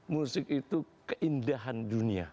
musik itu keindahan dunia